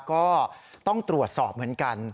ก็ต้องตรวจสอบเหมือนกัน